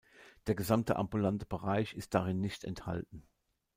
Der gesamte ambulante Bereich ist darin nicht enthalten.